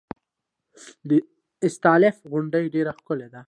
د استالف غونډۍ ډیره ښکلې ده